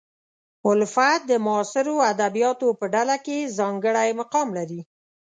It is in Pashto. الفت د معاصرو ادیبانو په ډله کې ځانګړی مقام لري.